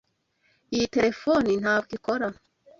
Iyi terefone ntabwo ikora.